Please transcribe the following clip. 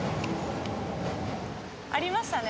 ありましたね。